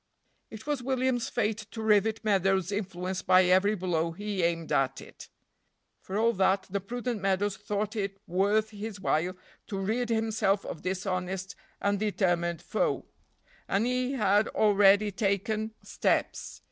It was William's fate to rivet Meadows' influence by every blow he aimed at it. For all that the prudent Meadows thought it worth his while to rid himself of this honest and determined foe, and he had already taken steps.